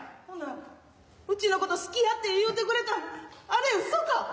ほなうちのこと好きやって言うてくれたのあれうそか？